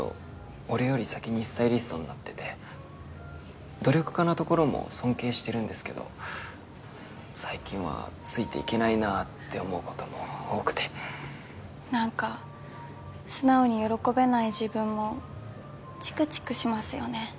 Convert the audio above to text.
俺より先にスタイリストになってて努力家なところも尊敬してるんですけど最近はついていけないなって思うことも多くてなんか素直に喜べない自分もチクチクしますよね